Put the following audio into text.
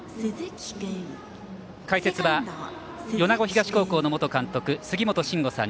解説は、米子東高校の元監督杉本真吾さん。